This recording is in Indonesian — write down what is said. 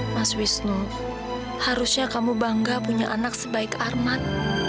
mas wisnu harusnya kamu bangga punya anak sebaik arman